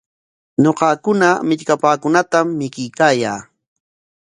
Ñuqakuna millkapaakunatam mikuykaayaa.